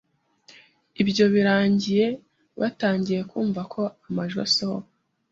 Ibyo birangiye batangiye kumva ko amajwi asohoka